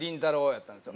やったんですよ